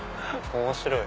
面白い。